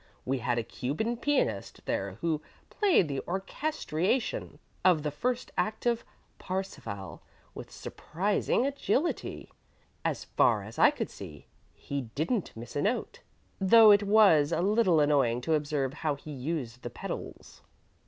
We had a Cuban pianist there who played the orchestration of the first act of Parsifal with surprising agility. As far as I could see, he didn't miss a note, though it was a little annoying to observe how he used the pedals."